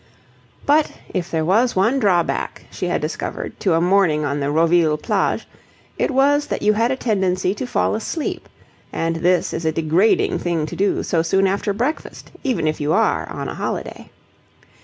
But, if there was one drawback, she had discovered, to a morning on the Roville plage, it was that you had a tendency to fall asleep: and this is a degrading thing to do so soon after breakfast, even if you are on a holiday.